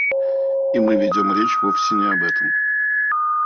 И мы ведем речь вовсе не об этом.